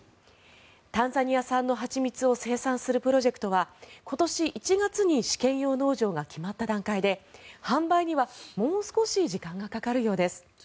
タンザニア産の蜂蜜を生産するプロジェクトは今年１月に試験用農場が決まった段階で販売にはもう少し時間がかかるようです。